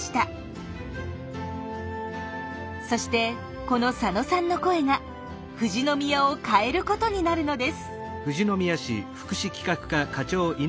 そしてこの佐野さんの声が富士宮を変えることになるのです。